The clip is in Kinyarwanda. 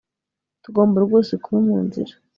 Tugomba rwose kuba munzira